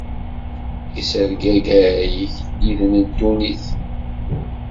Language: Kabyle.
Issergagay igelliden n ddunit.